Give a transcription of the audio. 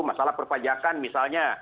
masalah perpajakan misalnya